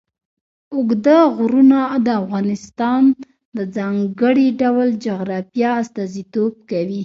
اوږده غرونه د افغانستان د ځانګړي ډول جغرافیه استازیتوب کوي.